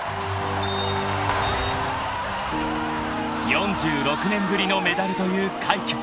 ［４６年ぶりのメダルという快挙］